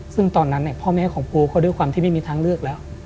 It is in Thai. ซึ่งตอนนั้นพ่อแม่ของปูเขาด้วยความที่ไม่มีทางเลือกแล้ว